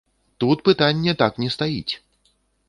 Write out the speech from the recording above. Тут пытанне так не стаіць!